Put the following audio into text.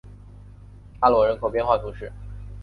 阿罗人口变化图示